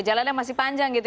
jalan yang masih panjang